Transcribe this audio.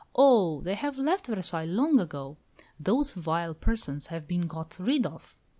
"Oh! they have left Versailles long ago. Those vile persons have been got rid of."